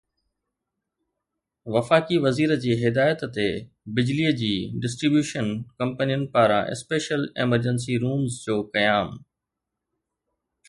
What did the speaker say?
وفاقي وزير جي هدايت تي بجلي جي ڊسٽري بيوشن ڪمپنين پاران اسپيشل ايمرجنسي رومز جو قيام